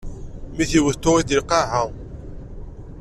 Mi t-iwet tuɣ-t di lqaɛa.